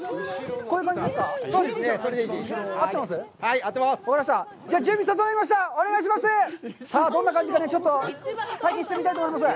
こういう感じですか？